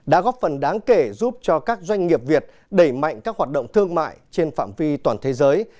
đã góp phần đáng kể giúp cho các doanh nghiệp việt đẩy mạnh các hoạt động thương mại trên phạm vi toàn thế giới